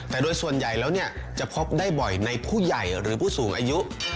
แต่โดยส่วนใหญ่แล้วจะพบได้บ่อยในผู้ใหญ่หรือผู้สูงอายุ